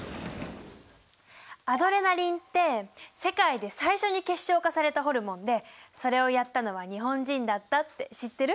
アドレナリンって世界で最初に結晶化されたホルモンでそれをやったのは日本人だったって知ってる？